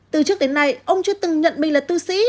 từ trước đến nay ông chưa từng nhận mình là tư sĩ